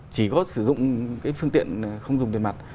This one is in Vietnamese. chỉ có sử dụng cái phương tiện không dùng tiền mặt